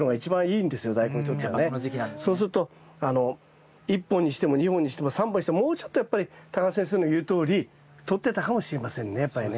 そうすると１本にしても２本にしても３本にしてももうちょっとやっぱり畑先生の言うとおり太ってたかもしれませんねやっぱりね。